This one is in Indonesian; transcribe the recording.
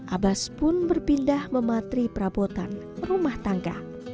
abas pun berpindah mematri perabotan rumah tangga